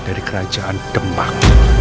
dari kerajaan demak